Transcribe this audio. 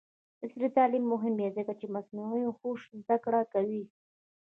عصري تعلیم مهم دی ځکه چې د مصنوعي هوش زدکړه کوي.